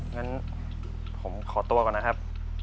งั้นผมขอตัวก่อนนะครับ